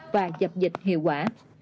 và dập dịch hiệu quả